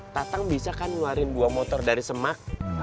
tatang bisa kan ngeluarin dua motor dari semak